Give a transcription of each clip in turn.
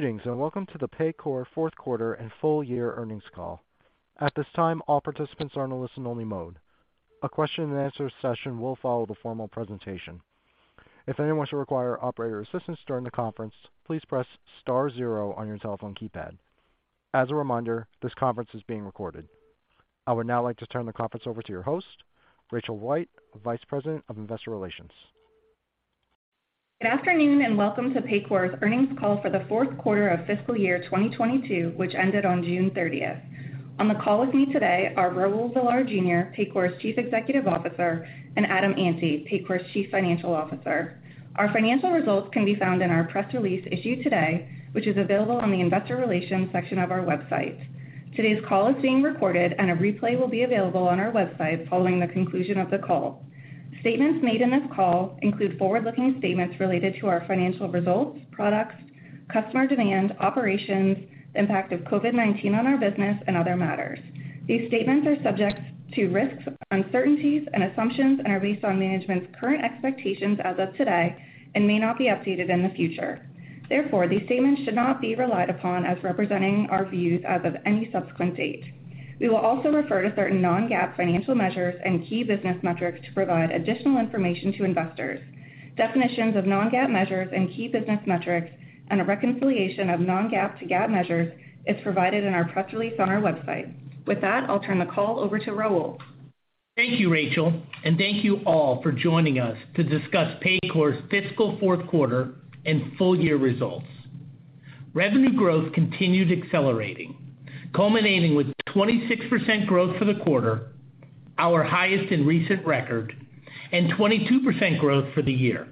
Greetings, and welcome to the Paycor Q4 and full year earnings call. At this time, all participants are in a listen-only mode. A question-and-answer session will follow the formal presentation. If anyone should require operator assistance during the conference, please press star zero on your telephone keypad. As a reminder, this conference is being recorded. I would now like to turn the conference over to your host, Rachel White, Vice President of Investor Relations. Good afternoon, and welcome to Paycor's earnings call for the Q4 of fiscal year 2022, which ended on June 30th. On the call with me today are Raul Villar, Jr., Paycor's Chief Executive Officer, and Adam Ante, Paycor's Chief Financial Officer. Our financial results can be found in our press release issued today, which is available on the investor relations section of our website. Today's call is being recorded, and a replay will be available on our website following the conclusion of the call. Statements made in this call include forward-looking statements related to our financial results, products, customer demand, operations, impact of COVID-19 on our business, and other matters. These statements are subject to risks, uncertainties and assumptions and are based on management's current expectations as of today and may not be updated in the future. Therefore, these statements should not be relied upon as representing our views as of any subsequent date. We will also refer to certain non-GAAP financial measures and key business metrics to provide additional information to investors. Definitions of non-GAAP measures and key business metrics, and a reconciliation of non-GAAP to GAAP measures is provided in our press release on our website. With that, I'll turn the call over to Raul. Thank you, Rachel, and thank you all for joining us to discuss Paycor's fiscal Q4 and full year results. Revenue growth continued accelerating, culminating with 26% growth for the quarter, our highest in recent record, and 22% growth for the year.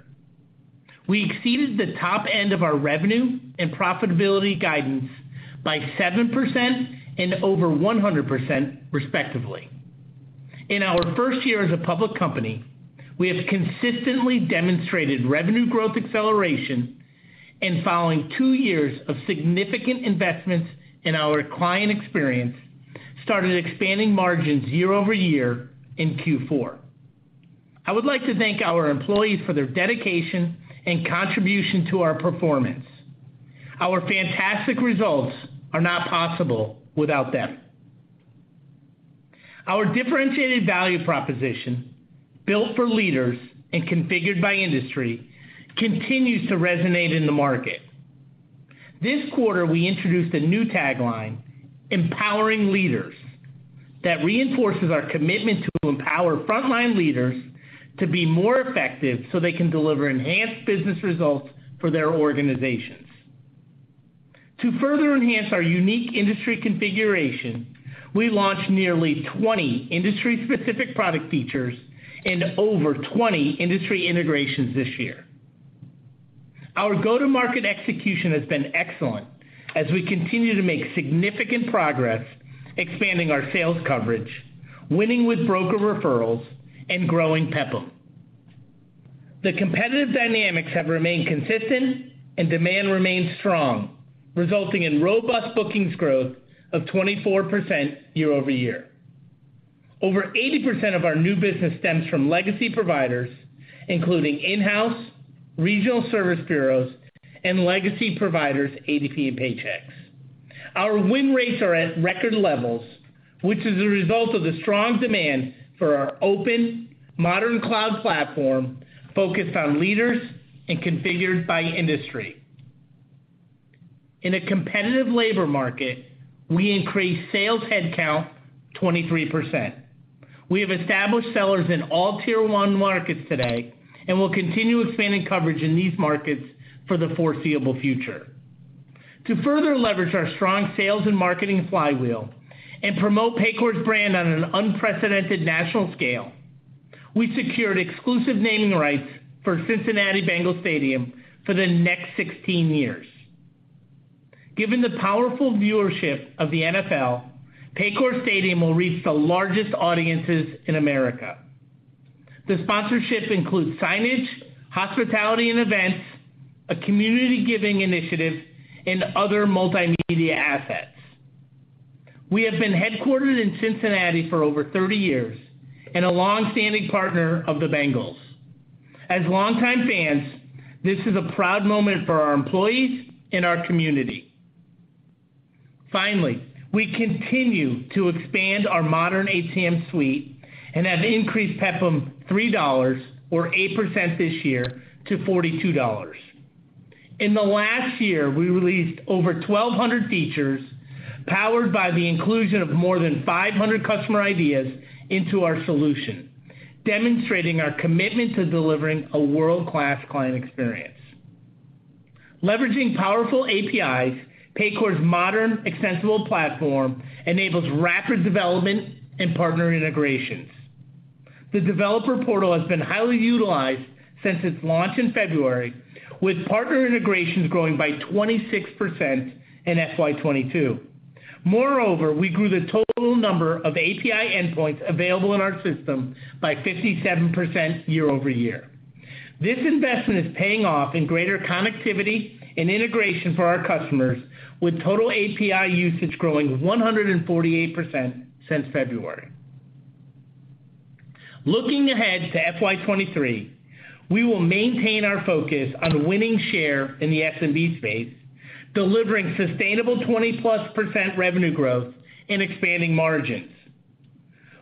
We exceeded the top end of our revenue and profitability guidance by 7% and over 100% respectively. In our first year as a public company, we have consistently demonstrated revenue growth acceleration, and following two years of significant investments in our client experience, started expanding margins year over year in Q4. I would like to thank our employees for their dedication and contribution to our performance. Our fantastic results are not possible without them. Our differentiated value proposition, built for leaders and configured by industry, continues to resonate in the market. This quarter, we introduced a new tagline, Empowering Leaders, that reinforces our commitment to empower frontline leaders to be more effective so they can deliver enhanced business results for their organizations. To further enhance our unique industry configuration, we launched nearly 20 industry-specific product features and over 20 industry integrations this year. Our go-to-market execution has been excellent as we continue to make significant progress expanding our sales coverage, winning with broker referrals, and growing PEPM. The competitive dynamics have remained consistent and demand remains strong, resulting in robust bookings growth of 24% year-over-year. Over 80% of our new business stems from legacy providers, including in-house, regional service bureaus, and legacy providers, ADP, and Paychex. Our win rates are at record levels, which is a result of the strong demand for our open, modern cloud platform focused on leaders and configured by industry. In a competitive labor market, we increased sales headcount 23%. We have established sellers in all Tier 1 markets today and will continue expanding coverage in these markets for the foreseeable future. To further leverage our strong sales and marketing flywheel and promote Paycor's brand on an unprecedented national scale, we secured exclusive naming rights for Paycor Stadium for the next 16 years. Given the powerful viewership of the NFL, Paycor Stadium will reach the largest audiences in America. The sponsorship includes signage, hospitality and events, a community giving initiative, and other multimedia assets. We have been headquartered in Cincinnati for over 30 years and a long-standing partner of the Bengals. As longtime fans, this is a proud moment for our employees and our community. Finally, we continue to expand our modern HCM suite and have increased PEPM $3 or 8% this year to $42. In the last year, we released over 1,200 features powered by the inclusion of more than 500 customer ideas into our solution, demonstrating our commitment to delivering a world-class client experience. Leveraging powerful APIs, Paycor's modern, extensible platform enables rapid development and partner integrations. The developer portal has been highly utilized since its launch in February, with partner integrations growing by 26% in FY22. Moreover, we grew the total number of API endpoints available in our system by 57% year-over-year. This investment is paying off in greater connectivity and integration for our customers, with total API usage growing 148% since February. Looking ahead to FY23, we will maintain our focus on winning share in the SMB space, delivering sustainable 20%+ revenue growth and expanding margins.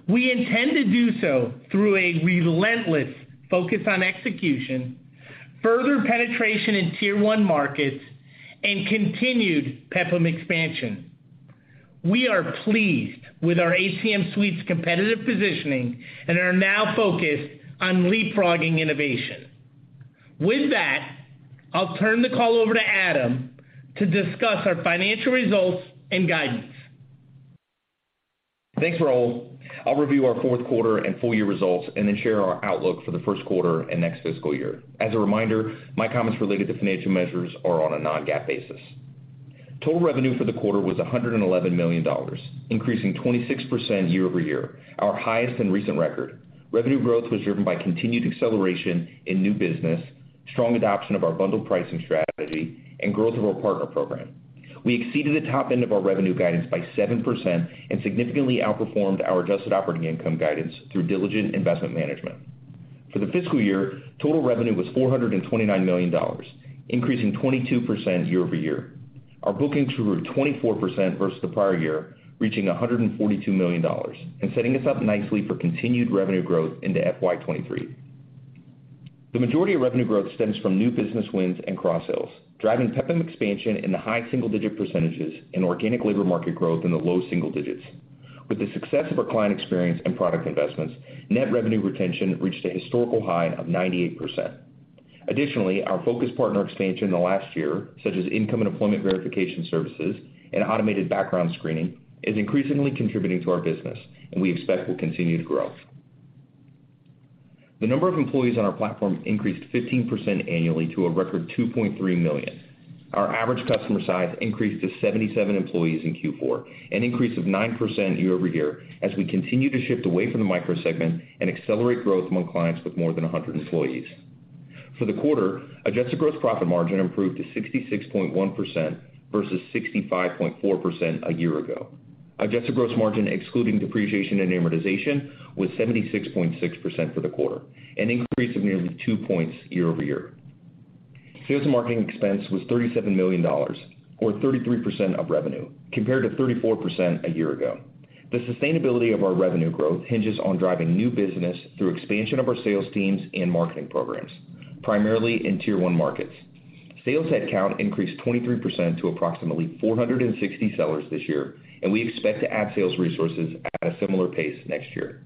We intend to do so through a relentless focus on execution, further penetration in tier one markets, and continued PEPPM expansion. We are pleased with our HCM suite's competitive positioning and are now focused on leapfrogging innovation. With that, I'll turn the call over to Adam to discuss our financial results and guidance. Thanks, Raul. I'll review our Q4 and full year results, and then share our outlook for the Q1 and next fiscal year. As a reminder, my comments related to financial measures are on a non-GAAP basis. Total revenue for the quarter was $111 million, increasing 26% year-over-year, our highest on record. Revenue growth was driven by continued acceleration in new business, strong adoption of our bundled pricing strategy, and growth of our partner program. We exceeded the top end of our revenue guidance by 7% and significantly outperformed our adjusted operating income guidance through diligent investment management. For the fiscal year, total revenue was $429 million, increasing 22% year-over-year. Our bookings grew 24% versus the prior year, reaching $142 million and setting us up nicely for continued revenue growth into FY23. The majority of revenue growth stems from new business wins and cross-sales, driving PEPPM expansion in the high single-digit percentages and organic labor market growth in the low single digits. With the success of our client experience and product investments, net revenue retention reached a historical high of 98%. Additionally, our focus on partner expansion in the last year, such as income and employment verification services and automated background screening, is increasingly contributing to our business, and we expect it will continue to grow. The number of employees on our platform increased 15% annually to a record 2.3 million. Our average customer size increased to 77 employees in Q4, an increase of 9% year-over-year as we continue to shift away from the micro segment and accelerate growth among clients with more than 100 employees. For the quarter, adjusted gross profit margin improved to 66.1% versus 65.4% a year ago. Adjusted gross margin excluding depreciation and amortization was 76.6% for the quarter, an increase of nearly two points year-over-year. Sales and marketing expense was $37 million, or 33% of revenue, compared to 34% a year ago. The sustainability of our revenue growth hinges on driving new business through expansion of our sales teams and marketing programs, primarily in tier one markets. Sales headcount increased 23% to approximately 460 sellers this year, and we expect to add sales resources at a similar pace next year.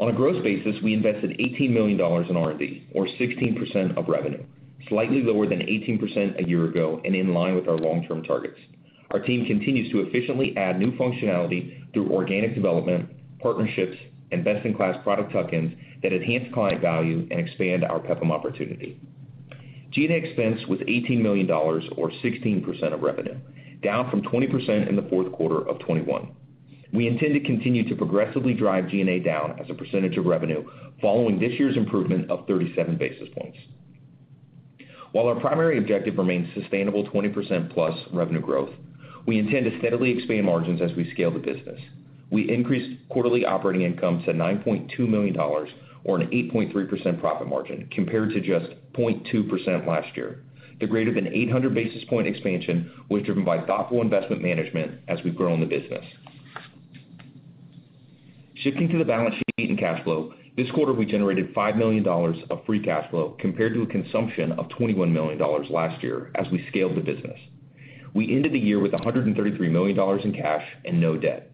On a gross basis, we invested $18 million in R&D or 16% of revenue, slightly lower than 18% a year ago and in line with our long-term targets. Our team continues to efficiently add new functionality through organic development, partnerships, and best-in-class product tuck-ins that enhance client value and expand our PEPPM opportunity. G&A expense was $18 million or 16% of revenue, down from 20% in the Q4 of 2021. We intend to continue to progressively drive G&A down as a percentage of revenue following this year's improvement of 37 basis points. While our primary objective remains sustainable 20%+ revenue growth, we intend to steadily expand margins as we scale the business. We increased quarterly operating income to $9.2 million or an 8.3% profit margin compared to just 0.2% last year. The greater than 800 basis point expansion was driven by thoughtful investment management as we've grown the business. Shifting to the balance sheet and cash flow, this quarter, we generated $5 million of free cash flow compared to a consumption of $21 million last year as we scaled the business. We ended the year with $133 million in cash and no debt.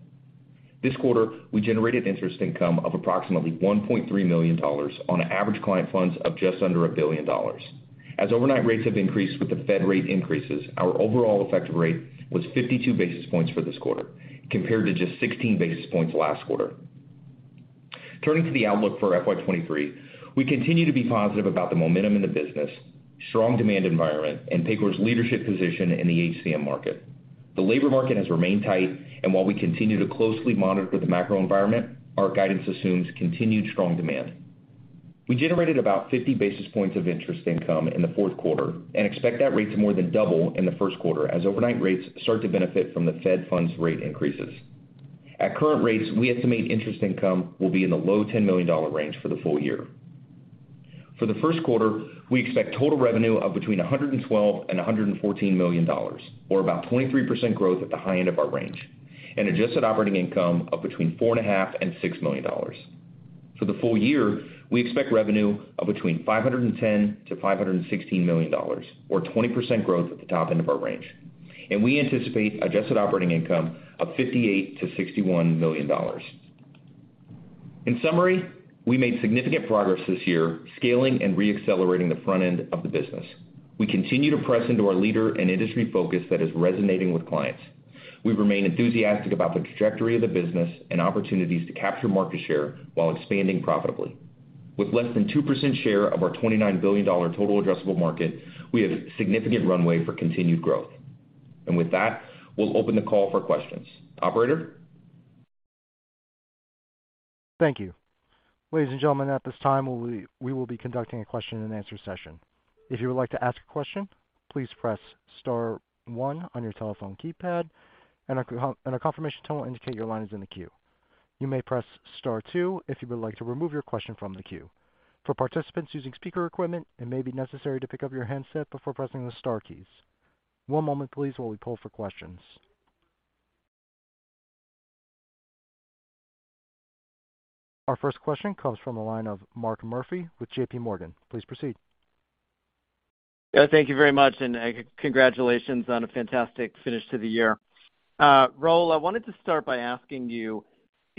This quarter, we generated interest income of approximately $1.3 million on average client funds of just under $1 billion. As overnight rates have increased with the Fed rate increases, our overall effective rate was 52 basis points for this quarter, compared to just 16 basis points last quarter. Turning to the outlook for FY23, we continue to be positive about the momentum in the business, strong demand environment, and Paycor's leadership position in the HCM market. The labor market has remained tight, while we continue to closely monitor the macro environment, our guidance assumes continued strong demand. We generated about 50 basis points of interest income in the Q4 and expect that rate to more than double in the Q1 as overnight rates start to benefit from the Fed funds rate increases. At current rates, we estimate interest income will be in the low $10 million range for the full year. For the Q1, we expect total revenue of between $112 million and $114 million, or about 23% growth at the high end of our range, and adjusted operating income of between $4.5 million and $6 million. For the full year, we expect revenue of between $510 million and $516 million, or 20% growth at the top end of our range. We anticipate adjusted operating income of $58 million-$61 million. In summary, we made significant progress this year scaling and re-accelerating the front end of the business. We continue to press into our leader and industry focus that is resonating with clients. We remain enthusiastic about the trajectory of the business and opportunities to capture market share while expanding profitably. With less than 2% share of our $29 billion total addressable market, we have significant runway for continued growth. With that, we'll open the call for questions. Operator? Thank you. Ladies and gentlemen, at this time we will be conducting a question and answer session. If you would like to ask a question, please press star one on your telephone keypad, and a confirmation tone will indicate your line is in the queue. You may press star two if you would like to remove your question from the queue. For participants using speaker equipment, it may be necessary to pick up your handset before pressing the star keys. One moment please while we pull for questions. Our first question comes from the line of Mark Murphy with JPMorgan. Please proceed. Yeah, thank you very much, and congratulations on a fantastic finish to the year. Raul, I wanted to start by asking you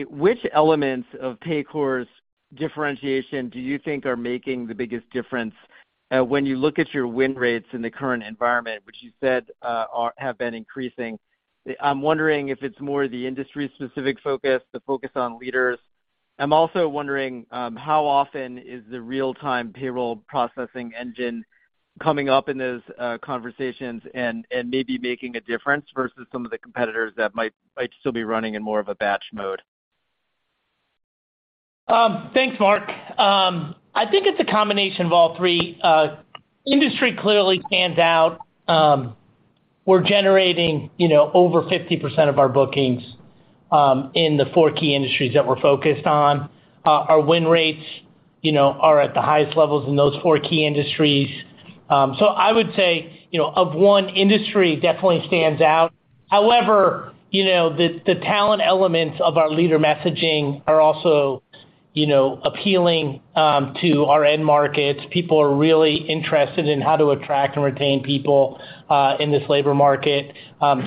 which elements of Paycor's differentiation do you think are making the biggest difference, when you look at your win rates in the current environment, which you said have been increasing. I'm wondering if it's more the industry specific focus, the focus on leaders. I'm also wondering how often is the real-time payroll processing engine coming up in those conversations and maybe making a difference versus some of the competitors that might still be running in more of a batch mode? Thanks, Mark. I think it's a combination of all three. Industry clearly stands out. We're generating, you know, over 50% of our bookings in the four key industries that we're focused on. Our win rates, you know, are at the highest levels in those four key industries. So I would say, you know, of one industry definitely stands out. However, you know, the talent elements of our leader messaging are also, you know, appealing to our end markets. People are really interested in how to attract and retain people in this labor market.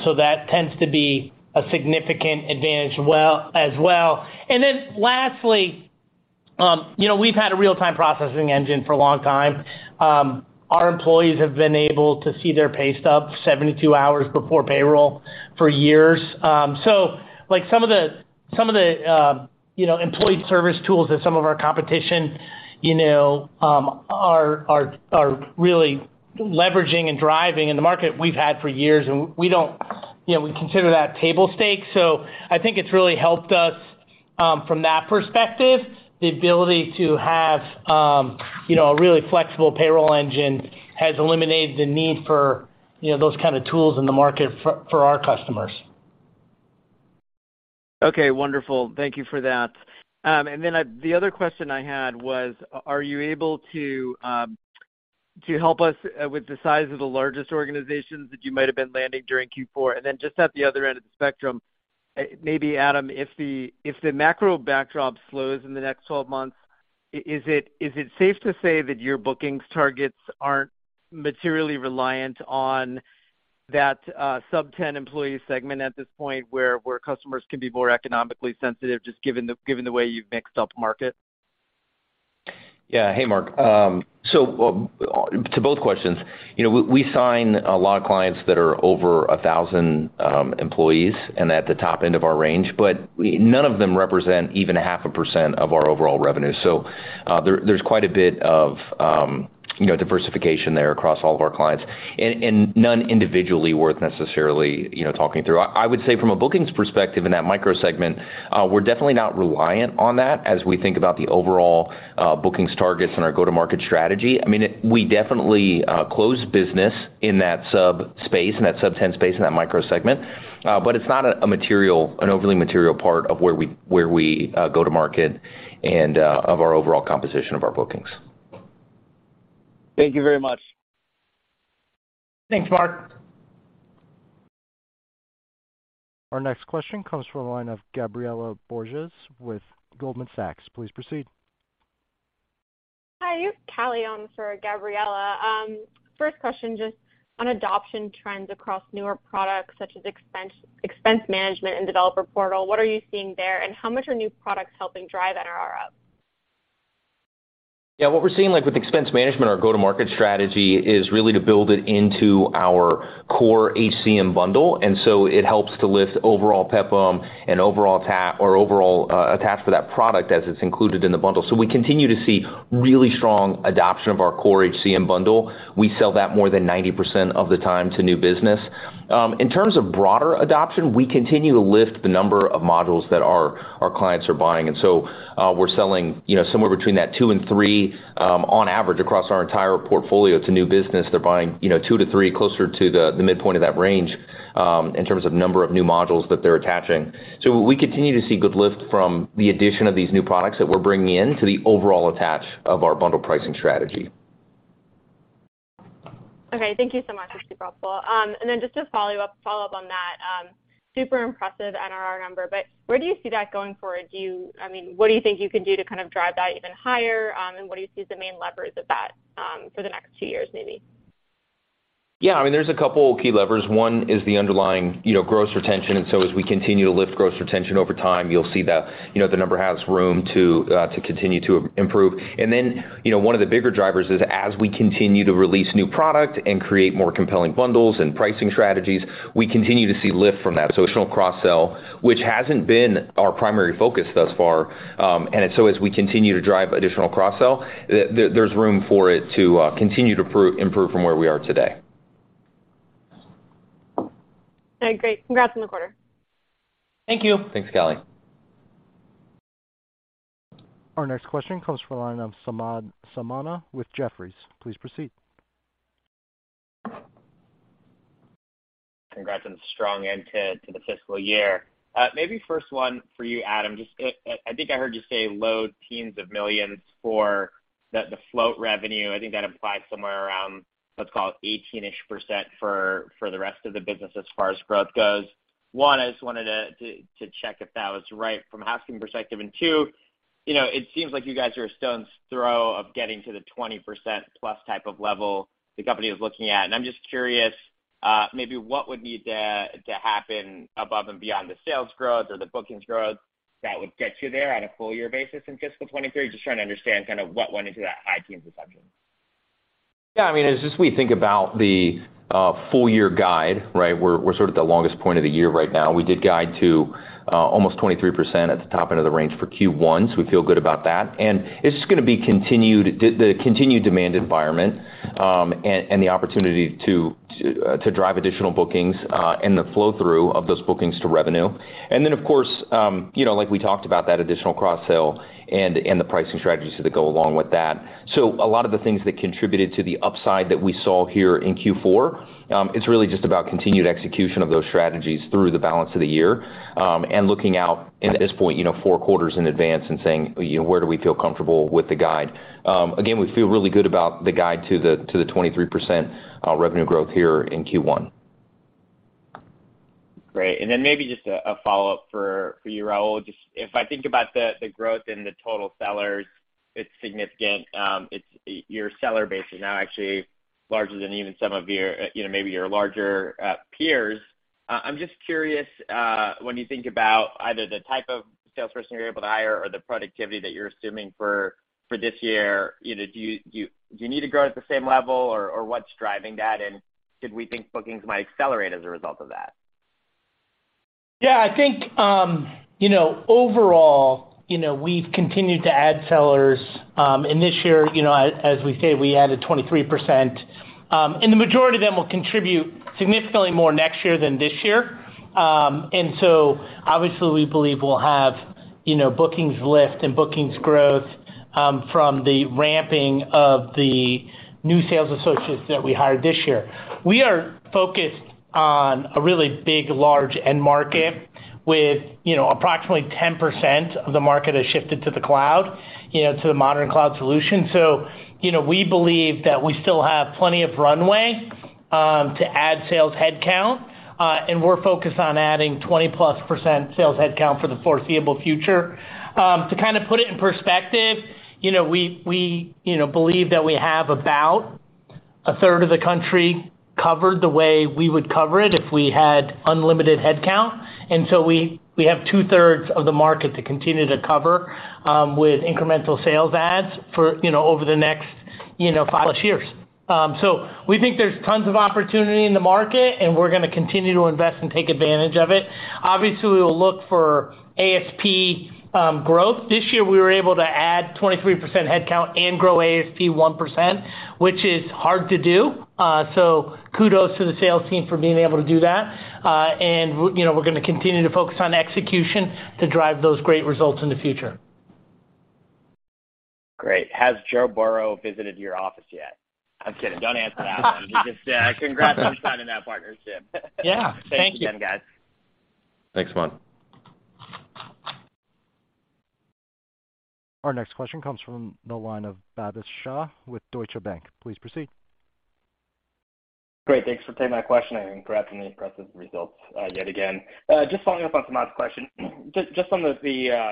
So that tends to be a significant advantage as well. Then lastly, you know, we've had a real-time processing engine for a long time. Our employees have been able to see their pay stub 72 hours before payroll for years. Like some of the, you know, employee service tools that some of our competition, you know, are really leveraging and driving in the market we've had for years. You know, we consider that table stakes. I think it's really helped us from that perspective. The ability to have, you know, a really flexible payroll engine has eliminated the need for, you know, those kind of tools in the market for our customers. Okay, wonderful. Thank you for that. The other question I had was, are you able to help us with the size of the largest organizations that you might have been landing during Q4? Just at the other end of the spectrum, maybe Adam, if the macro backdrop slows in the next 12 months, is it safe to say that your bookings targets aren't materially reliant on that sub-10 employee segment at this point where customers can be more economically sensitive, just given the way you've mixed upmarket? Yeah. Hey, Mark. To both questions, you know, we sign a lot of clients that are over 1,000 employees and at the top end of our range, but none of them represent even 0.5% of our overall revenue. There's quite a bit of, you know, diversification there across all of our clients and none individually worth necessarily, you know, talking through. I would say from a bookings perspective in that microsegment, we're definitely not reliant on that as we think about the overall bookings targets and our go-to-market strategy. I mean, we definitely close business in that sub space, in that sub-ten space, in that microsegment. But it's not a material, an overly material part of where we go to market and of our overall composition of our bookings. Thank you very much. Thanks, Mark. Our next question comes from the line of Gabriela Borges with Goldman Sachs. Please proceed. Hi, you have Kallie on for Gabriela. First question, just on adoption trends across newer products such as expense management and developer portal, what are you seeing there, and how much are new products helping drive NRR up? Yeah, what we're seeing, like, with expense management, our go-to-market strategy is really to build it into our core HCM bundle. It helps to lift overall PEPPM and overall attach to that product as it's included in the bundle. We continue to see really strong adoption of our core HCM bundle. We sell that more than 90% of the time to new business. In terms of broader adoption, we continue to lift the number of modules that our clients are buying. We're selling, you know, somewhere between that two and three on average across our entire portfolio to new business. They're buying, you know, two to three, closer to the midpoint of that range, in terms of number of new modules that they're attaching. We continue to see good lift from the addition of these new products that we're bringing in to the overall attach of our bundle pricing strategy. Okay. Thank you so much. That's super helpful. And then just to follow up on that, super impressive NRR number, but where do you see that going forward? I mean, what do you think you can do to kind of drive that even higher? And what do you see as the main levers of that, for the next two years, maybe? Yeah, I mean, there's a couple key levers. One is the underlying, you know, gross retention. As we continue to lift gross retention over time, you'll see that, you know, the number has room to to continue to improve. You know, one of the bigger drivers is as we continue to release new product and create more compelling bundles and pricing strategies, we continue to see lift from that. Additional cross-sell, which hasn't been our primary focus thus far. As we continue to drive additional cross-sell, there's room for it to continue to improve from where we are today. All right, great. Congrats on the quarter. Thank you. Thanks, Callie. Our next question comes from the line of Samad Samana with Jefferies. Please proceed. Congrats on the strong end to the fiscal year. Maybe first one for you, Adam. Just, I think I heard you say low teens of millions for the float revenue. I think that implies somewhere around, let's call it 18-ish% for the rest of the business as far as growth goes. One, I just wanted to check if that was right from a high-level perspective. Two, you know, it seems like you guys are a stone's throw from getting to the 20%+ type of level the company is looking at. I'm just curious, maybe what would need to happen above and beyond the sales growth or the bookings growth that would get you there on a full year basis in fiscal 2023? Just trying to understand kind of what went into that high teens assumption. Yeah, I mean, as we just think about the full-year guide, right? We're sort of at the longest point of the year right now. We did guide to almost 23% at the top end of the range for Q1, so we feel good about that. It's just gonna be the continued demand environment and the opportunity to drive additional bookings and the flow-through of those bookings to revenue. Then of course, you know, like we talked about, that additional cross-sell and the pricing strategies that go along with that. A lot of the things that contributed to the upside that we saw here in Q4, it's really just about continued execution of those strategies through the balance of the year. Looking out and at this point, you know, four quarters in advance and saying, you know, where do we feel comfortable with the guide? Again, we feel really good about the guide to the 23% revenue growth here in Q1. Great. Then maybe just a follow-up for you, Raul. Just if I think about the growth in the total sellers, it's significant. Your seller base is now actually larger than even some of your, you know, maybe your larger peers. I'm just curious when you think about either the type of salesperson you're able to hire or the productivity that you're assuming for this year, you know, do you need to grow at the same level or what's driving that? Should we think bookings might accelerate as a result of that? Yeah, I think, you know, overall, you know, we've continued to add sellers, and this year, you know, as we say, we added 23%, and the majority of them will contribute significantly more next year than this year. Obviously we believe we'll have, you know, bookings lift and bookings growth, from the ramping of the new sales associates that we hired this year. We are focused on a really big, large end market with, you know, approximately 10% of the market has shifted to the cloud, you know, to the modern cloud solution. You know, we believe that we still have plenty of runway, to add sales headcount, and we're focused on adding 20%+ sales headcount for the foreseeable future. To kind of put it in perspective, you know, we believe that we have about a third of the country covered the way we would cover it if we had unlimited headcount. We have two-thirds of the market to continue to cover with incremental sales adds for, you know, over the next, you know, five years. We think there's tons of opportunity in the market, and we're gonna continue to invest and take advantage of it. Obviously, we'll look for ASP growth. This year we were able to add 23% headcount and grow ASP 1%, which is hard to do. Kudos to the sales team for being able to do that. You know, we're gonna continue to focus on execution to drive those great results in the future. Great. Has Joe Burrow visited your office yet? I'm kidding. Don't answer that one. Just, congrats on signing that partnership. Yeah. Thank you. Thanks again, guys. Thanks, Samad. Our next question comes from the line of Bhavin Shah with Deutsche Bank. Please proceed. Great. Thanks for taking my question and congrats on the impressive results, yet again. Just following up on Samad's question. Just on the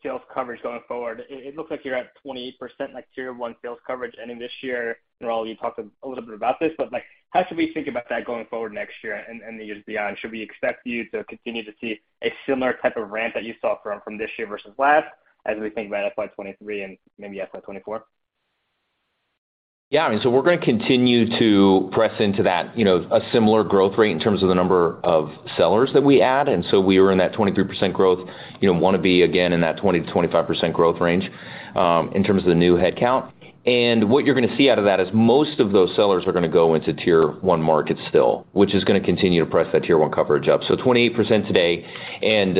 sales coverage going forward, it looks like you're at 28%, like tier one sales coverage ending this year. Raul, you talked a little bit about this, but like, how should we think about that going forward next year and the years beyond? Should we expect you to continue to see a similar type of ramp that you saw from this year versus last as we think about FY 2023 and maybe FY 2024? Yeah. I mean, we're gonna continue to press into that, you know, a similar growth rate in terms of the number of sellers that we add. We were in that 23% growth, you know, wanna be again in that 20%-25% growth range in terms of the new headcount. What you're gonna see out of that is most of those sellers are gonna go into tier one markets still, which is gonna continue to press that tier one coverage up. 28% today, and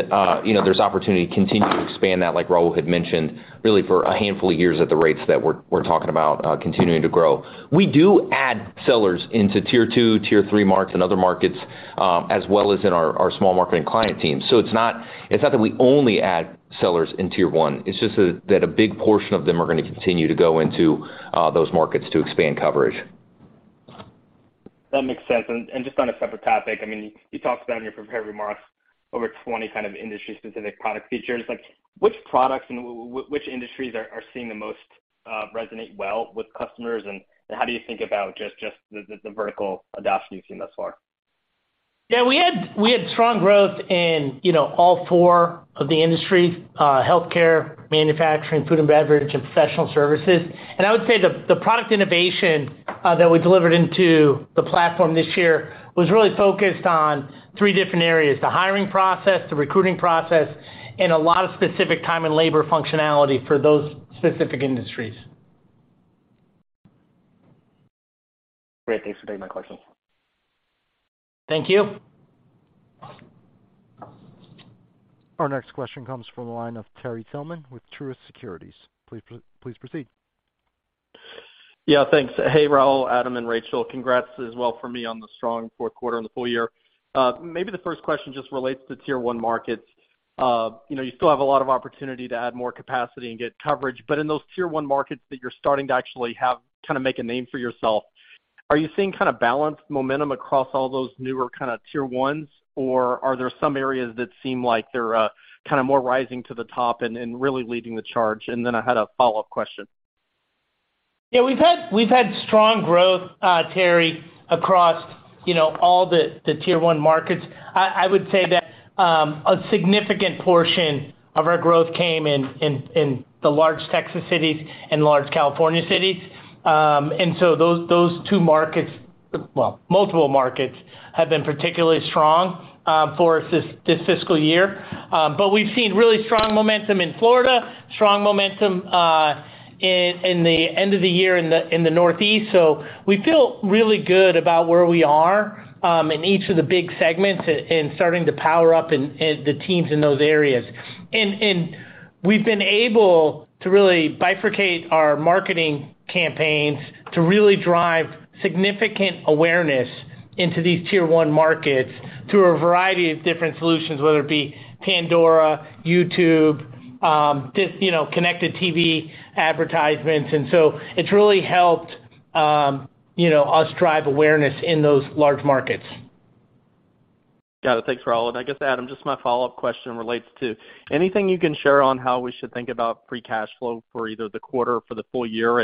you know, there's opportunity to continue to expand that, like Raul had mentioned, really for a handful of years at the rates that we're talking about continuing to grow. We do add sellers into tier two, tier three markets and other markets, as well as in our small market and client teams. It's not that we only add sellers in tier one. It's just that a big portion of them are gonna continue to go into those markets to expand coverage. That makes sense. Just on a separate topic, I mean, you talked about in your prepared remarks over 20 kind of industry specific product features. Like which products and which industries are seeing the most resonate well with customers, and how do you think about just the vertical adoption you've seen thus far? Yeah. We had strong growth in, you know, all four of the industries, healthcare, manufacturing, food and beverage, and professional services. I would say the product innovation that we delivered into the platform this year was really focused on three different areas, the hiring process, the recruiting process, and a lot of specific time and labor functionality for those specific industries. Great. Thanks for taking my question. Thank you. Our next question comes from the line of Terry Tillman with Truist Securities. Please proceed. Yeah, thanks. Hey, Raul, Adam, and Rachel. Congrats as well from me on the strong Q4 and the full year. Maybe the first question just relates to tier one markets. You know, you still have a lot of opportunity to add more capacity and get coverage, but in those tier one markets that you're starting to kinda make a name for yourself, are you seeing kinda balanced momentum across all those newer kinda tier ones? Or are there some areas that seem like they're kinda more rising to the top and really leading the charge? Then I had a follow-up question. Yeah, we've had strong growth, Terry, across you know all the tier one markets. I would say that a significant portion of our growth came in the large Texas cities and large California cities. Those two markets, well, multiple markets have been particularly strong for this fiscal year. We've seen really strong momentum in Florida, strong momentum in the end of the year in the Northeast. We feel really good about where we are in each of the big segments and starting to power up in the teams in those areas. We've been able to really bifurcate our marketing campaigns to really drive significant awareness into these tier one markets through a variety of different solutions, whether it be Pandora, YouTube, just, you know, connected TV advertisements. It's really helped, you know, us drive awareness in those large markets. Got it. Thanks, Raul. I guess, Adam, just my follow-up question relates to anything you can share on how we should think about free cash flow for either the quarter or for the full year?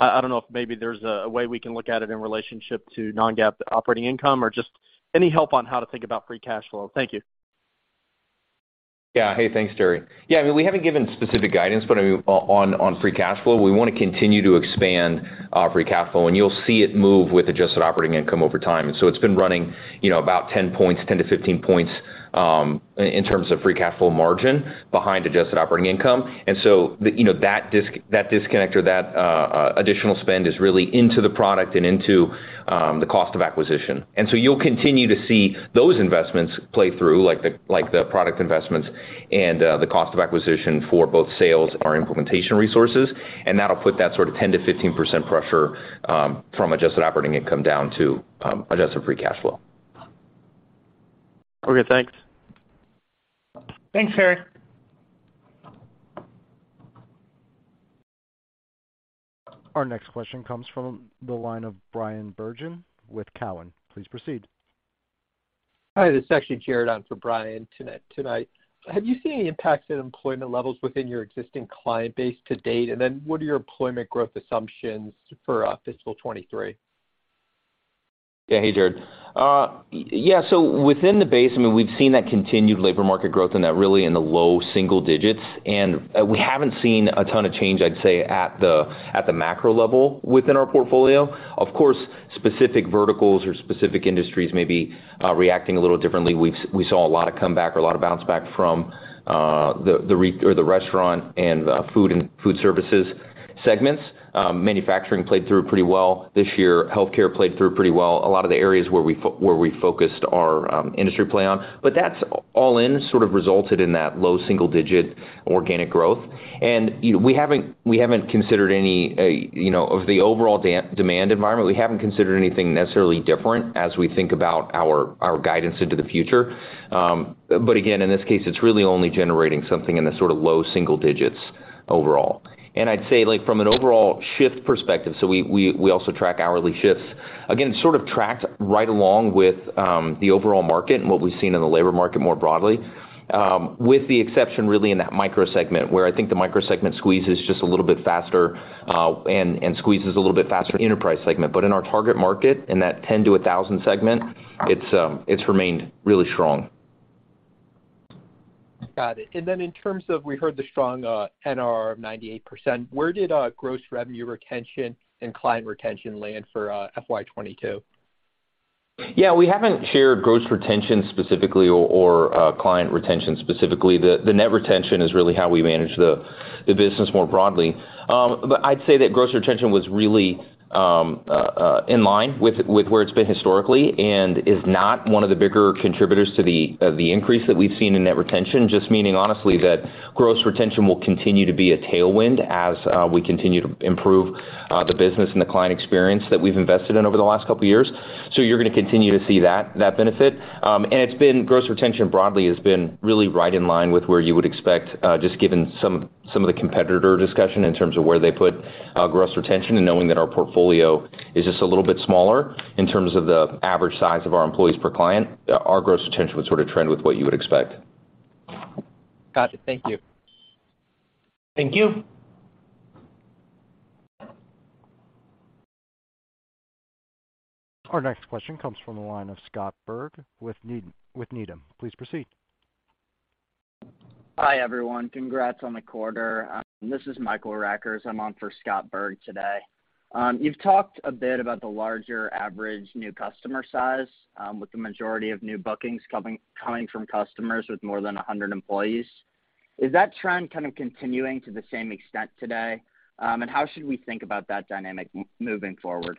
I don't know if maybe there's a way we can look at it in relationship to non-GAAP operating income or just any help on how to think about free cash flow. Thank you. Yeah. Hey, thanks, Terry. Yeah, I mean, we haven't given specific guidance, but I mean, on free cash flow, we wanna continue to expand free cash flow, and you'll see it move with adjusted operating income over time. It's been running, you know, about 10 points, 10-15 points in terms of free cash flow margin behind adjusted operating income. You know, that disconnect or that additional spend is really into the product and into the cost of acquisition. You'll continue to see those investments play through like the product investments and the cost of acquisition for both sales, our implementation resources. That'll put that sort of 10%-15% pressure from adjusted operating income down to adjusted free cash flow. Okay, thanks. Thanks, Terry. Our next question comes from the line of Brian Bergen with Cowen. Please proceed. Hi, this is actually Jared on for Brian tonight. Have you seen any impacts in employment levels within your existing client base to date? What are your employment growth assumptions for fiscal 2023? Yeah. Hey, Jared. So within the base, I mean, we've seen that continued labor market growth in that, really, in the low single digits. We haven't seen a ton of change, I'd say, at the macro level within our portfolio. Of course, specific verticals or specific industries may be reacting a little differently. We saw a lot of comeback or a lot of bounce back from the restaurant and food services segments. Manufacturing played through pretty well this year. Healthcare played through pretty well, a lot of the areas where we focused our industry play on. But that's all in, sort of, resulted in that low single digit organic growth. You know, we haven't considered any of the overall demand environment. We haven't considered anything necessarily different as we think about our guidance into the future. Again, in this case, it's really only generating something in the sort of low single digits overall. I'd say like from an overall shift perspective, so we also track hourly shifts. Again, sort of tracked right along with the overall market and what we've seen in the labor market more broadly, with the exception really in that micro segment, where I think the micro segment squeezes just a little bit faster, and squeezes a little bit faster enterprise segment. In our target market, in that 10 to 1,000 segment, it's remained really strong. Got it. In terms of, we heard the strong NRR of 98%, where did gross revenue retention and client retention land for FY 2022? Yeah, we haven't shared gross retention specifically or client retention specifically. The net retention is really how we manage the business more broadly. I'd say that gross retention was really in line with where it's been historically, and is not one of the bigger contributors to the increase that we've seen in net retention, just meaning honestly that gross retention will continue to be a tailwind as we continue to improve the business and the client experience that we've invested in over the last couple years. You're gonna continue to see that benefit. It's been. Gross retention broadly has been really right in line with where you would expect, just given some of the competitor discussion in terms of where they put gross retention and knowing that our portfolio is just a little bit smaller in terms of the average size of our employees per client. Our gross retention would sort of trend with what you would expect. Got it. Thank you. Thank you. Our next question comes from the line of Scott Berg with Needham. Please proceed. Hi, everyone. Congrats on the quarter. This is Michael Rackers. I'm on for Scott Berg today. You've talked a bit about the larger average new customer size, with the majority of new bookings coming from customers with more than 100 employees. Is that trend kind of continuing to the same extent today? How should we think about that dynamic moving forward?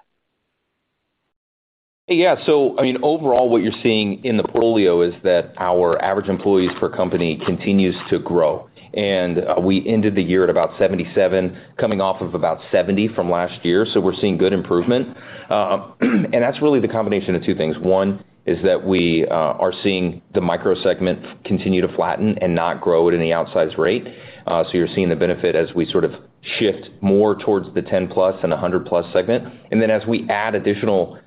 Yeah. I mean, overall what you're seeing in the portfolio is that our average employees per company continues to grow. We ended the year at about 77, coming off of about 70 from last year. We're seeing good improvement. That's really the combination of two things. One is that we are seeing the micro segment continue to flatten and not grow at any outsized rate. You're seeing the benefit as we sort of shift more towards the 10+ and 100+ segment. Then as we add additional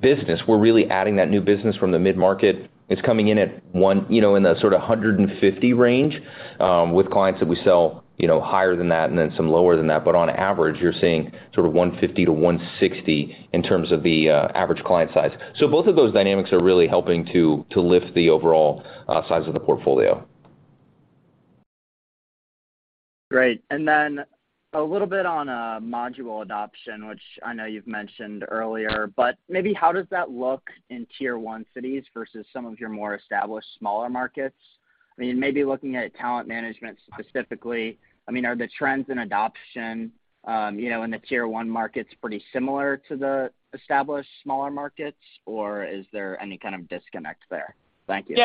business, we're really adding that new business from the mid-market. It's coming in at 101, you know, in the sort of 150 range, with clients that we sell, you know, higher than that and then some lower than that. On average, you're seeing sort of 150-160 in terms of the average client size. Both of those dynamics are really helping to lift the overall size of the portfolio. Great. Then a little bit on module adoption, which I know you've mentioned earlier, but maybe how does that look in tier one cities versus some of your more established smaller markets? I mean, maybe looking at talent management specifically, I mean, are the trends in adoption, you know, in the tier one markets pretty similar to the established smaller markets, or is there any kind of disconnect there? Thank you.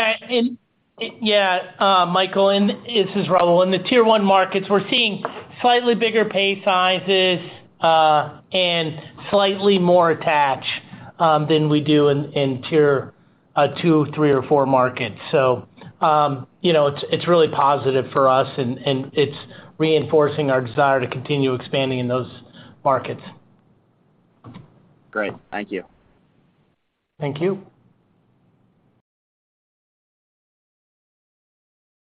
Michael, this is Raul. In the tier one markets, we're seeing slightly bigger pay sizes, and slightly more attach, than we do in tier two, three or four markets. You know, it's really positive for us, and it's reinforcing our desire to continue expanding in those markets. Great. Thank you. Thank you.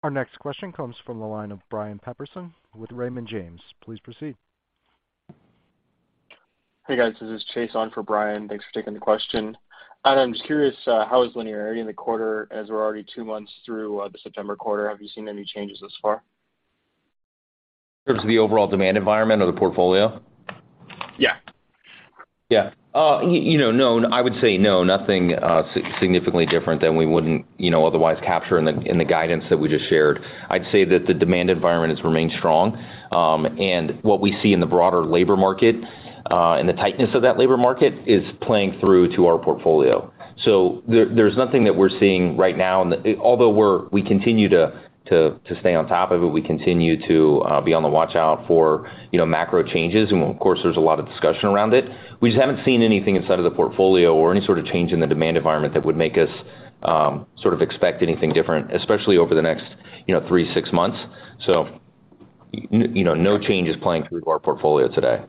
Our next question comes from the line of Brian Peterson with Raymond James. Please proceed. Hey, guys. This is Chase on for Brian. Thanks for taking the question. Adam, I'm just curious, how is linearity in the quarter as we're already two months through, the September quarter? Have you seen any changes thus far? In terms of the overall demand environment or the portfolio? Yeah. Yeah. You know, no, I would say no, nothing significantly different than we wouldn't, you know, otherwise capture in the guidance that we just shared. I'd say that the demand environment has remained strong. What we see in the broader labor market and the tightness of that labor market is playing through to our portfolio. There's nothing that we're seeing right now, and although we continue to stay on top of it, we continue to be on the watch out for, you know, macro changes. Of course, there's a lot of discussion around it. We just haven't seen anything inside of the portfolio or any sort of change in the demand environment that would make us sort of expect anything different, especially over the next, you know, three to six months. You know, no change is playing through to our portfolio today.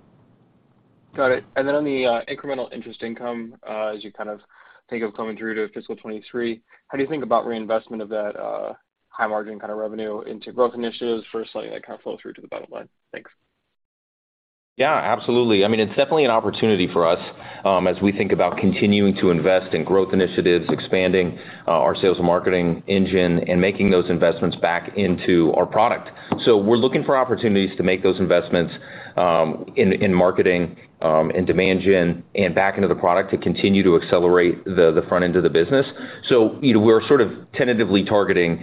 Got it. On the incremental interest income, as you kind of think of coming through to fiscal 2023, how do you think about reinvestment of that high margin kind of revenue into growth initiatives for something that can flow through to the bottom line? Thanks. Yeah, absolutely. I mean, it's definitely an opportunity for us, as we think about continuing to invest in growth initiatives, expanding, our sales and marketing engine and making those investments back into our product. We're looking for opportunities to make those investments, in marketing, and demand gen and back into the product to continue to accelerate the front end of the business. You know, we're sort of tentatively targeting,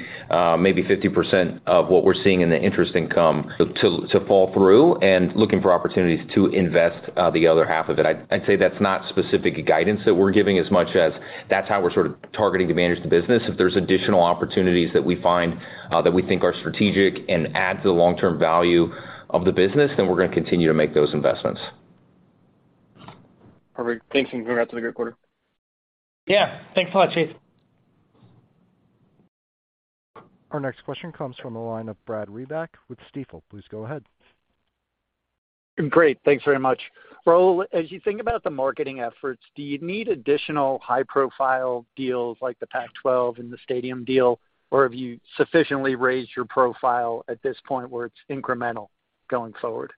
maybe 50% of what we're seeing in the interest income to fall through and looking for opportunities to invest, the other half of it. I'd say that's not specific guidance that we're giving as much as that's how we're sort of targeting to manage the business. If there's additional opportunities that we find, that we think are strategic and add to the long-term value of the business, then we're gonna continue to make those investments. Perfect. Thanks and congrats on the great quarter. Yeah. Thanks a lot, Chase. Our next question comes from the line of Brad Reback with Stifel. Please go ahead. Great. Thanks very much. Raul, as you think about the marketing efforts, do you need additional high-profile deals like the Pac-12 and the stadium deal, or have you sufficiently raised your profile at this point where it's incremental going forward?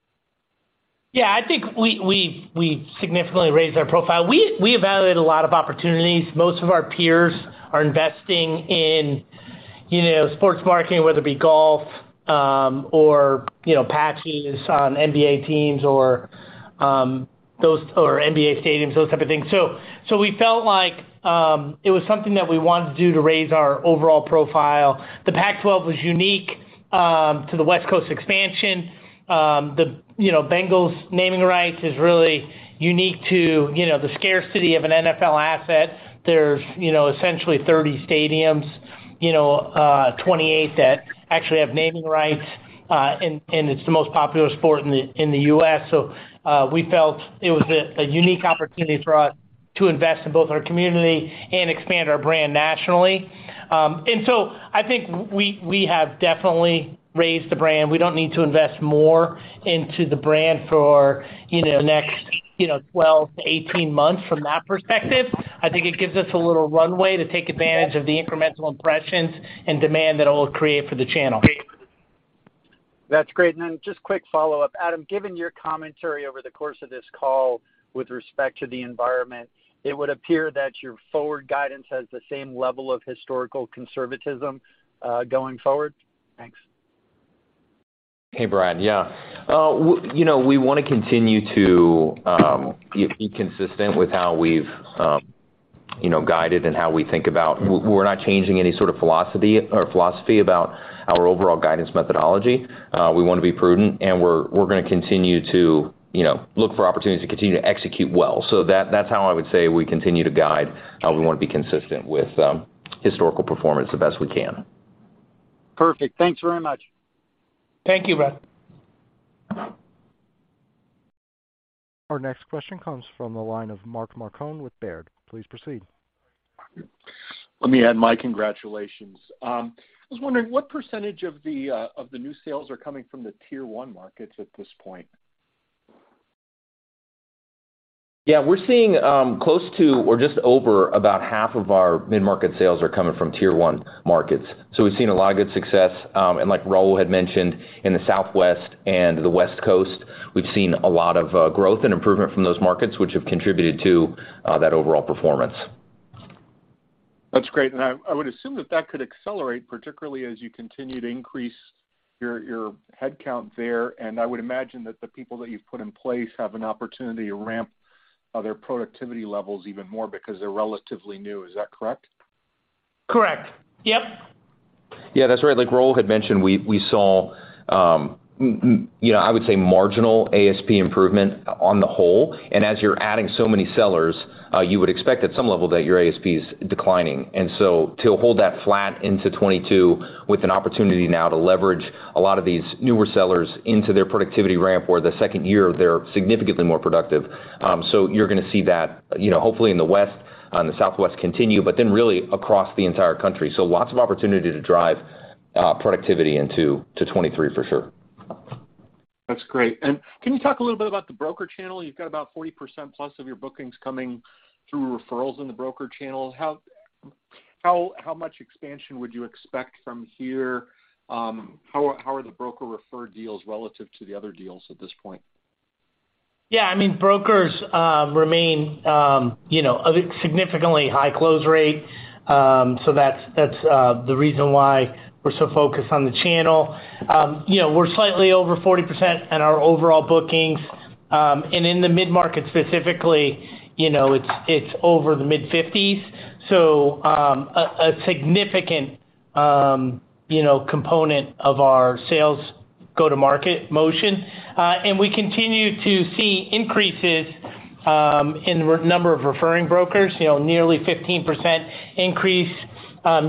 Yeah, I think we significantly raised our profile. We evaluate a lot of opportunities. Most of our peers are investing in, you know, sports marketing, whether it be golf, or, you know, patches on NBA teams or NBA stadiums, those type of things. So we felt like it was something that we wanted to do to raise our overall profile. The Pac-12 was unique to the West Coast expansion. The, you know, Bengals naming rights is really unique to, you know, the scarcity of an NFL asset. There's, you know, essentially 30 stadiums, you know, 28 that actually have naming rights, and it's the most popular sport in the, in the U.S. So we felt it was a unique opportunity for us to invest in both our community and expand our brand nationally. I think we have definitely raised the brand. We don't need to invest more into the brand for, you know, the next, you know, 12-18 months from that perspective. I think it gives us a little runway to take advantage of the incremental impressions and demand that it will create for the channel. That's great. Just quick follow-up. Adam, given your commentary over the course of this call with respect to the environment, it would appear that your forward guidance has the same level of historical conservatism, going forward? Thanks. Hey, Brad. Yeah. You know, we wanna continue to be consistent with how we've guided and how we think about. We're not changing any sort of philosophy about our overall guidance methodology. We wanna be prudent, and we're gonna continue to you know, look for opportunities to continue to execute well. That's how I would say we continue to guide how we wanna be consistent with historical performance as best we can. Perfect. Thanks very much. Thank you, Brad. Our next question comes from the line of Mark Marcon with Baird. Please proceed. Let me add my congratulations. I was wondering what percentage of the new sales are coming from the tier one markets at this point? Yeah. We're seeing close to or just over about half of our mid-market sales are coming from tier one markets. We've seen a lot of good success, and like Raul had mentioned, in the Southwest and the West Coast, we've seen a lot of growth and improvement from those markets, which have contributed to that overall performance. That's great. I would assume that could accelerate, particularly as you continue to increase your headcount there. I would imagine that the people that you've put in place have an opportunity to ramp their productivity levels even more because they're relatively new. Is that correct? Correct. Yep. Yeah, that's right. Like Raul had mentioned, we saw, you know, I would say marginal ASP improvement on the whole. As you're adding so many sellers, you would expect at some level that your ASP is declining. To hold that flat into 2022 with an opportunity now to leverage a lot of these newer sellers into their productivity ramp, where the second year, they're significantly more productive. You're gonna see that, you know, hopefully in the West, the Southwest continue, but then really across the entire country. Lots of opportunity to drive productivity into 2023 for sure. That's great. Can you talk a little bit about the broker channel? You've got about 40%+ of your bookings coming through referrals in the broker channel. How much expansion would you expect from here? How are the broker referred deals relative to the other deals at this point? Yeah. I mean, brokers remain, you know, a significantly high close rate. So that's the reason why we're so focused on the channel. You know, we're slightly over 40% in our overall bookings, and in the mid-market specifically, you know, it's over the mid-50s. So a significant, you know, component of our sales go to market motion. And we continue to see increases in the number of referring brokers, you know, nearly 15% increase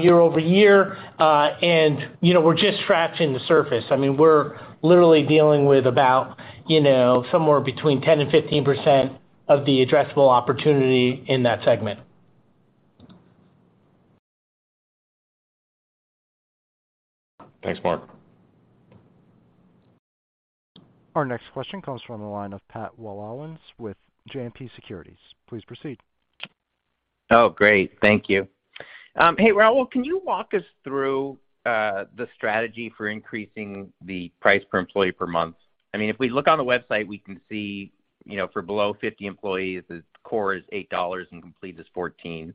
year over year. And you know, we're just scratching the surface. I mean, we're literally dealing with about, you know, somewhere between 10%-15% of the addressable opportunity in that segment. Thanks, Mark. Our next question comes from the line of Pat Walravens with JMP Securities. Please proceed. Hey, Raul, can you walk us through the strategy for increasing the price per employee per month? I mean, if we look on the website, we can see, you know, for below 50 employees, the core is $8 and complete is $14.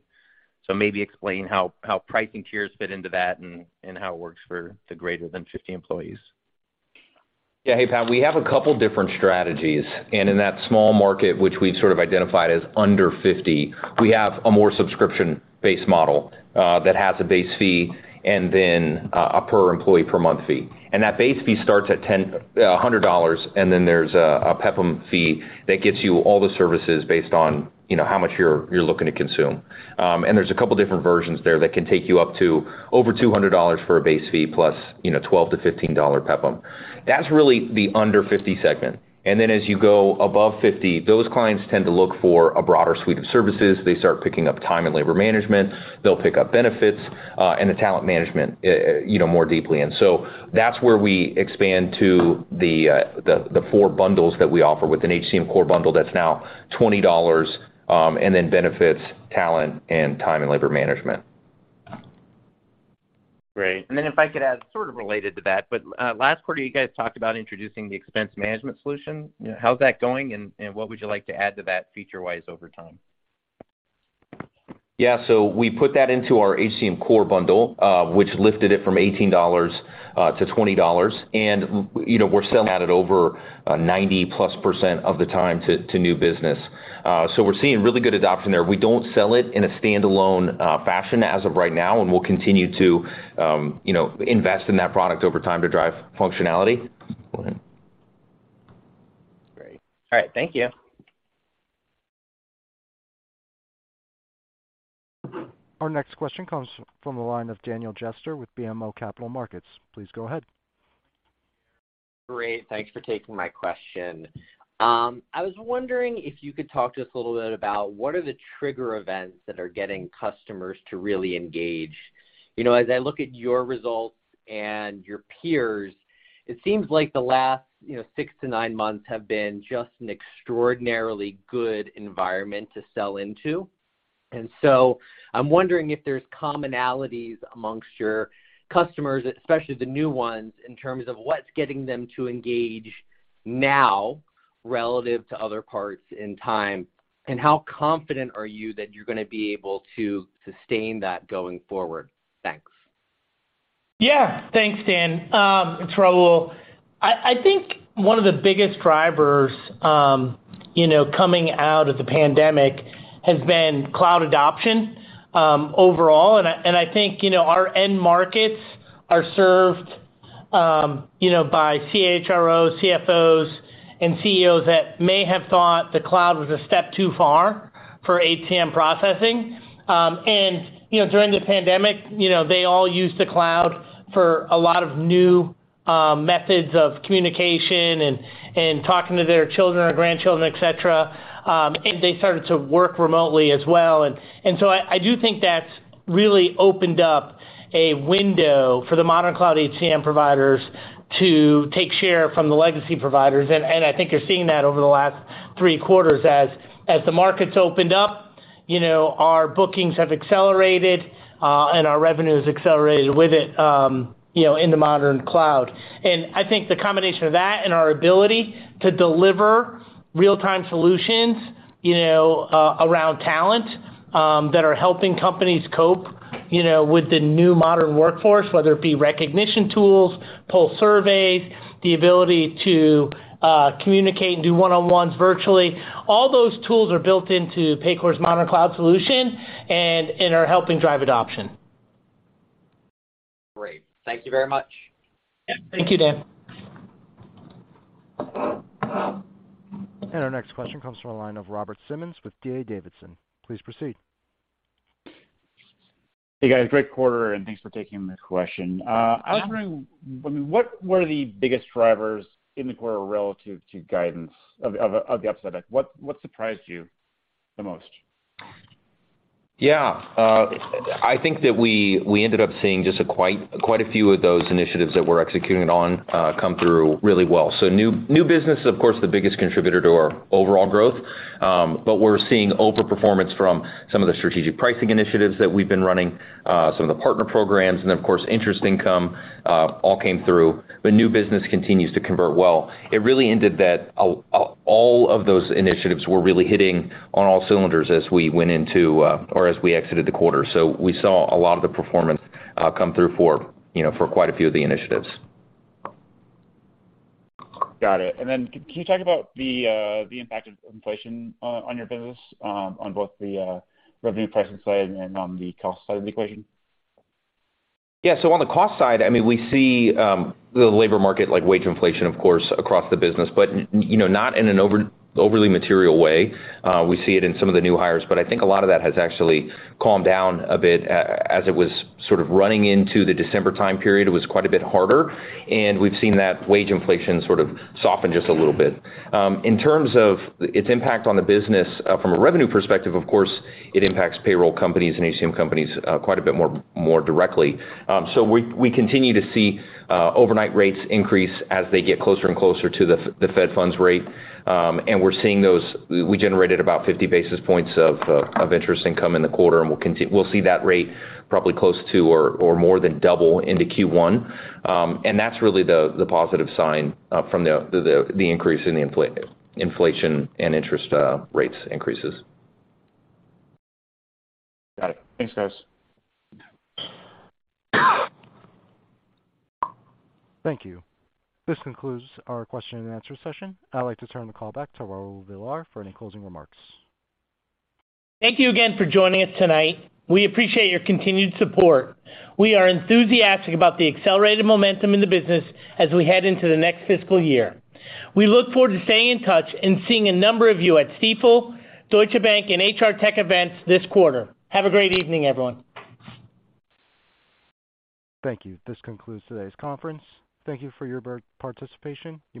Maybe explain how pricing tiers fit into that and how it works for the greater than 50 employees. Yeah. Hey, Pat. We have a couple different strategies. In that small market, which we've sort of identified as under 50, we have a more subscription-based model that has a base fee and then a per employee per month fee. That base fee starts at $100, and then there's a PEPM fee that gets you all the services based on, you know, how much you're looking to consume. There's a couple different versions there that can take you up to over $200 for a base fee plus, you know, $12-$15 PEPM. That's really the under 50 segment. Then as you go above 50, those clients tend to look for a broader suite of services. They start picking up time and labor management, they'll pick up benefits, and the talent management, you know, more deeply. That's where we expand to the four bundles that we offer with an HCM core bundle that's now $20, and then benefits talent and time and labor management. Great. If I could add sort of related to that, but, last quarter, you guys talked about introducing the expense management solution. Yeah. How's that going, and what would you like to add to that feature-wise over time? Yeah. We put that into our HCM core bundle, which lifted it from $18 to $20. You know, we're selling it over 90%+ of the time to new business. We're seeing really good adoption there. We don't sell it in a standalone fashion as of right now, and we'll continue to, you know, invest in that product over time to drive functionality. Go ahead. Great. All right. Thank you. Our next question comes from the line of Daniel Jester with BMO Capital Markets. Please go ahead. Great. Thanks for taking my question. I was wondering if you could talk to us a little bit about what are the trigger events that are getting customers to really engage. You know, as I look at your results and your peers, it seems like the last, you know, six to nine months have been just an extraordinarily good environment to sell into. I'm wondering if there's commonalities amongst your customers, especially the new ones, in terms of what's getting them to engage now. Relative to other parts in time, and how confident are you that you're gonna be able to sustain that going forward? Thanks. Yeah. Thanks, Dan. I think one of the biggest drivers, you know, coming out of the pandemic has been cloud adoption, overall. I think, you know, our end markets are served, you know, by CHRO, CFOs, and CEOs that may have thought the cloud was a step too far for HCM processing. You know, during the pandemic, you know, they all used the cloud for a lot of new methods of communication and talking to their children or grandchildren, et cetera. They started to work remotely as well. So I do think that's really opened up a window for the modern cloud HCM providers to take share from the legacy providers. I think you're seeing that over the last three quarters as the markets opened up, you know, our bookings have accelerated, and our revenue has accelerated with it, you know, in the modern cloud. I think the combination of that and our ability to deliver real-time solutions, you know, around talent, that are helping companies cope, you know, with the new modern workforce, whether it be recognition tools, pulse surveys, the ability to communicate and do one-on-ones virtually, all those tools are built into Paycor's Modern Cloud solution and are helping drive adoption. Great. Thank you very much. Yeah. Thank you, Dan. Our next question comes from the line of Robert Simmons with D.A. Davidson. Please proceed. Hey, guys. Great quarter, and thanks for taking the question. I was wondering, I mean, what are the biggest drivers in the quarter relative to guidance of the upside? Like, what surprised you the most? I think that we ended up seeing just quite a few of those initiatives that we're executing on come through really well. New business, of course, the biggest contributor to our overall growth. We're seeing overperformance from some of the strategic pricing initiatives that we've been running, some of the partner programs, and of course, interest income all came through. The new business continues to convert well. It really ended that all of those initiatives were really hitting on all cylinders as we went into or as we exited the quarter. We saw a lot of the performance come through for, you know, for quite a few of the initiatives. Got it. Can you talk about the impact of inflation on your business on both the revenue pricing side and on the cost side of the equation? Yeah. On the cost side, I mean, we see the labor market like wage inflation, of course, across the business, but, you know, not in an overly material way. We see it in some of the new hires, but I think a lot of that has actually calmed down a bit as it was sort of running into the December time period. It was quite a bit harder, and we've seen that wage inflation sort of soften just a little bit. In terms of its impact on the business, from a revenue perspective, of course, it impacts payroll companies and HCM companies quite a bit more directly. We continue to see overnight rates increase as they get closer and closer to the Fed funds rate. We're seeing those. We generated about 50 basis points of interest income in the quarter, and we'll see that rate probably close to or more than double into Q1. That's really the positive sign from the increase in the inflation and interest rate increases. Got it. Thanks, guys. Thank you. This concludes our question and answer session. I'd like to turn the call back to Raul Villar for any closing remarks. Thank you again for joining us tonight. We appreciate your continued support. We are enthusiastic about the accelerated momentum in the business as we head into the next fiscal year. We look forward to staying in touch and seeing a number of you at Stifel, Deutsche Bank, and HR Tech events this quarter. Have a great evening, everyone. Thank you. This concludes today's conference. Thank you for your participation. You may disconnect.